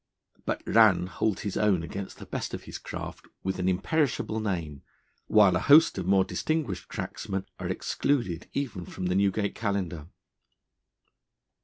But Rann holds his own against the best of his craft, with an imperishable name, while a host of more distinguished cracksmen are excluded even from the Newgate Calendar.